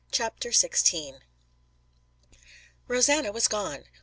CHAPTER XVI Rosanna was gone.